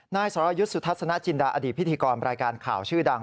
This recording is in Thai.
นายสรยุทธ์สุทัศนจินดาอดีตพิธีกรรายการข่าวชื่อดัง